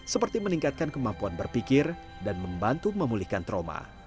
seperti meningkatkan kemampuan berpikir dan membantu memulihkan trauma